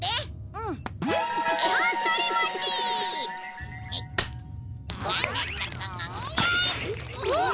うわっ！